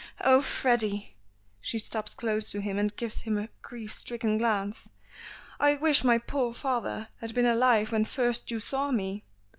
Oh! Freddy." She stops close to him, and gives him a grief stricken glance. "I wish my poor father had been alive when first you saw me.